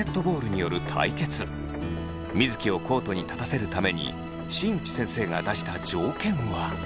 水城をコートに立たせるために新内先生が出した条件は。